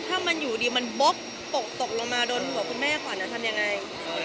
ถ้ามันอยู่ดีมันบ๊บตกลงมาโดนหัวคุณแม่ขวัญจะทำยังไง